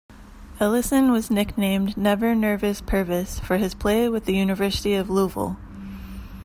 Ellison was nicknamed "Never Nervous Pervis" for his play with the University of Louisville.